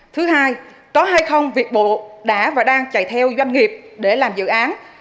thứ hai có hay không việc bộ đã và đang chạy theo doanh nghiệp để làm dự án